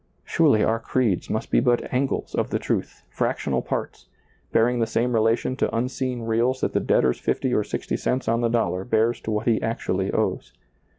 Surely our creeds must be but ^lailizccbvGoOgle THE COMING TEMPLE 187 angles of the truth, fractional parts, bearing the same relation to unseen reals that the debtor's fifty or sixty cents on the dollar bears to what he actually owes.